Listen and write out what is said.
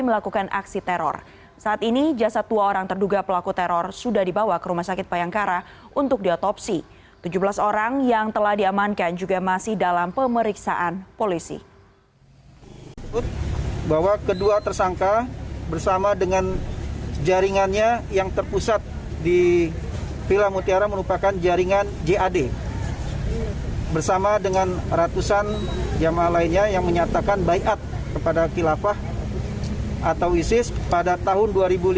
jaringannya yang terpusat di villa mutiara merupakan jaringan jad bersama dengan ratusan jemaah lainnya yang menyatakan bayat kepada kilafah atau isis pada tahun dua ribu lima belas